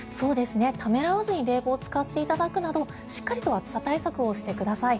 ためらわずに冷房を使っていただくなどしっかりと暑さ対策をしてください。